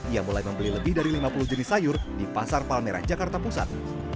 ia mulai membeli lebih dari lima puluh jenis sayur di pasar palmerah jakarta pusat